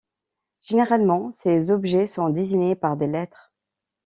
Généralement, ces objets sont désignés par des lettres.